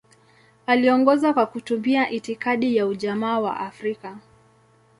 Aliongoza kwa kutumia itikadi ya Ujamaa wa Afrika.